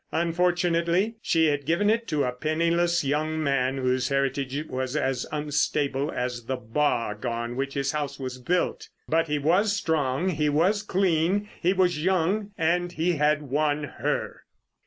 Unfortunately, she had given it to a penniless young man whose heritage was as unstable as the bog on which his house was built. But he was strong, he was clean, he was young. And he had won her.